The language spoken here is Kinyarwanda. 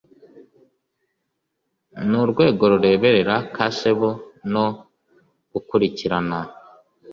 N urwego rureberera cesb no gukurikirana